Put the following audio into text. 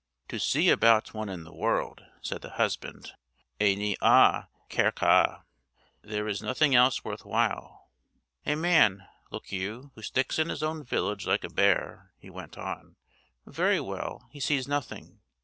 'To see about one in the world,' said the husband, 'il n'y a que ça—there is nothing else worth while. A man, look you, who sticks in his own village like a bear,' he went on, '—very well, he sees nothing.